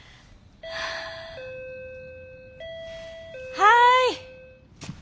はい。